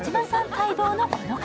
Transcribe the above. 待望のこの方。